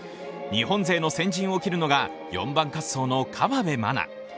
日本勢の先陣を切るのが４番滑走の河辺愛菜。